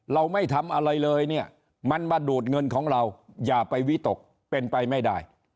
เราไม่ทำอะไรเลยเนี่ยมันมาดูดเงินของเราอย่าไปวิตกเป็นไปไม่ได้